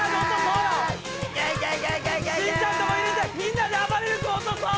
みんなであばれる君落とそう！